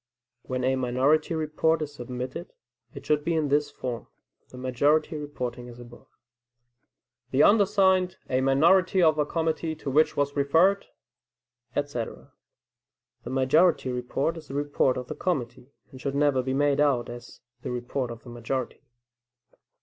When a minority report is submitted, it should be in this form (the majority reporting as above): "The undersigned, a minority of a committee to which was referred," etc. The majority report is the report of the committee, and should never be made out as the report of the majority.